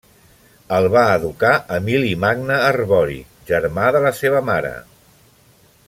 El va educar Emili Magne Arbori, germà de la seva mare.